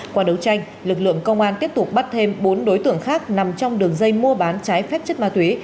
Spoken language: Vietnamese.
qua đấu tranh lực lượng công an tiếp tục bắt thêm bốn đối tượng khác nằm trong đường dây mua bán trái phép chất ma túy